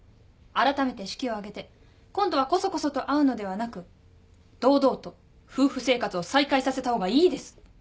あらためて式を挙げて今度はこそこそと会うのではなく堂々と夫婦生活を再開させた方がいいです。